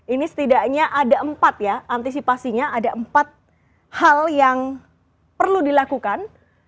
ini setidaknya ada empat ya antisipasinya ada empat hal yang perlu dilakukan